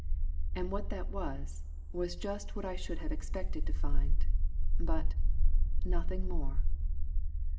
"And what that was was just what I should have expected to find. But nothing more."